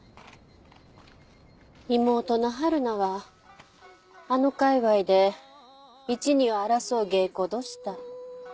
妹の春菜はあの界隈で一二を争う芸妓どした。